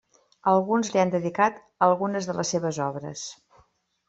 Alguns li han dedicat algunes de les seves obres.